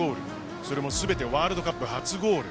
それも全てワールドカップ初ゴール。